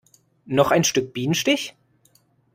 Noch ein Stück Bienenstich?